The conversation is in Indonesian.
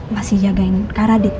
masih jagain kak radit